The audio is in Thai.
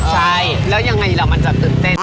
ใช่แล้วยังไงล่ะมันจะตื่นเต้น